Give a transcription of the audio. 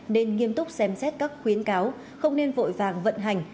nên nghiêm túc xem xét các khuyến cáo không nên vội vàng vận hành